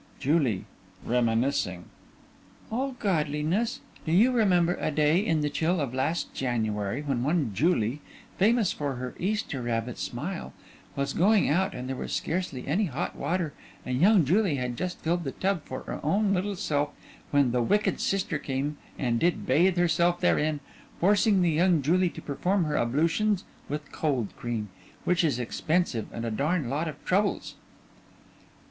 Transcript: JULIE: (Reminiscing) Oh, Godliness, do you remember a day in the chill of last January when one Julie, famous for her Easter rabbit smile, was going out and there was scarcely any hot water and young Julie had just filled the tub for her own little self when the wicked sister came and did bathe herself therein, forcing the young Julie to perform her ablutions with cold cream which is expensive and a darn lot of troubles?